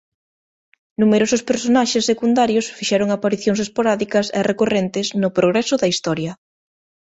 Numerosos personaxes secundarios fixeron aparicións esporádicas e recorrentes no progreso da historia.